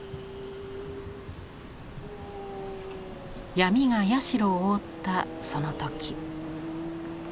闇が社を覆ったその時。